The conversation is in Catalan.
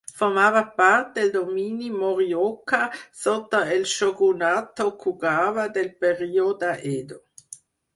Formava part del domini morioka sota el shogunat Tokugawa del període Edo.